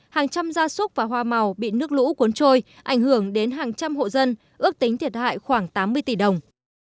hàng trăm gia súc và hoa màu bị nước lũ cuốn trôi ảnh hưởng đến hàng trăm hộ dân ước tính thiệt hại khoảng tám mươi tỷ đồng